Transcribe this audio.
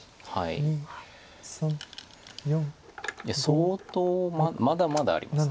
相当まだまだあります。